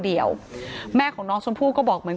การแก้เคล็ดบางอย่างแค่นั้นเอง